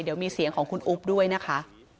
เดี๋ยวมีเสียงของคุณอุ๊บด้วยนะคะ